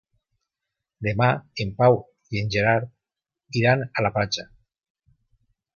Demà en Pau i en Gerard iran a la platja.